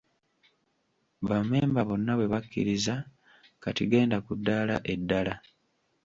Bammemba bonna bwe bakkiriza, kati genda ku ddaala eddala.